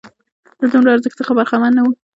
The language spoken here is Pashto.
له دومره ارزښت څخه برخمن نه وو.